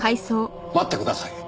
待ってください。